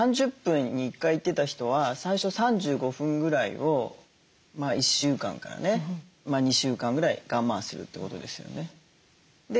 ３０分に１回行ってた人は最初３５分ぐらいを１週間からね２週間ぐらい我慢するってことですよね。